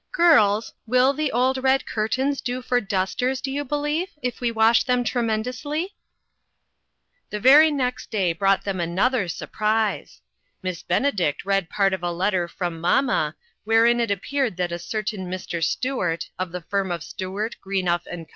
Girls, will the old red curtains do for dusters, do you be lieve, if we wash them tremendously ?'' The very next day brought them another 306 INTERRUPTED. surprise. Miss Benedict read part of a letter from " mamma," wherein it appeared that a certain Mr. Stuart, of the firm of Stuart, Greenough & Co.